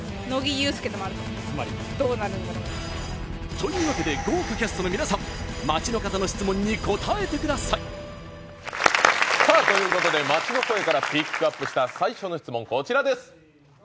というわけで豪華キャストの皆さんということで街の声からピックアップした最初の質問、こちらです。